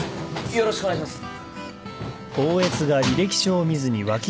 よろしくお願いします。